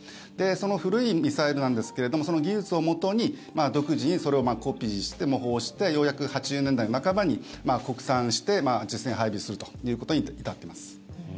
その古いミサイルなんですけどもその技術をもとに独自にそれをコピーして模倣してようやく８０年代半ばに国産して実戦配備するということに至っています。